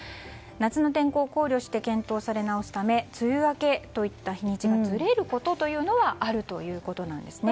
夏の天候を考慮して検討されなおすため梅雨明けといった日にちがずれることはあるということなんですね。